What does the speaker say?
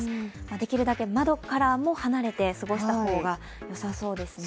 できるだけ窓からも離れて過ごした方がよさそうですね。